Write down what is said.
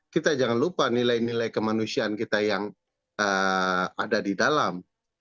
kita jangan lupa nilai nilai kemanusiaan kita yang ada di dalam